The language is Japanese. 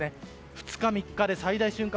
２日、３日で最大瞬間